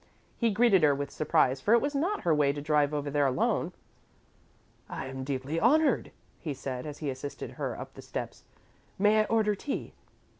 He greeted her with surprise, for it was not her way to drive over there alone. "I am deeply honoured," he said, as he assisted her up the steps. "May I order tea?"